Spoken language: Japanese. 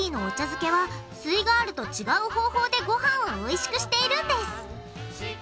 漬けはすイガールと違う方法でごはんをおいしくしているんです。